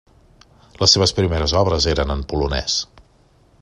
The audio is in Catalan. Les seves primeres obres eren en polonès.